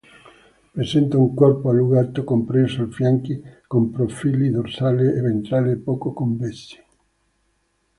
Presenta un corpo allungato, compresso ai fianchi, con profili dorsale e ventrale poco convessi.